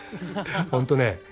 本当ね